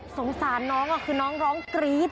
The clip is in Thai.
สงสารน้องคือน้องร้องกรี๊ด